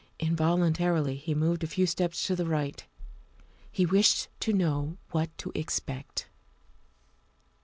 Involuntarily he moved a few steps to the right ; he wished to know what to expect.